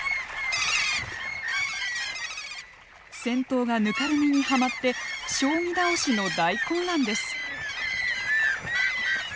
先頭がぬかるみにはまって将棋倒しの大混乱です。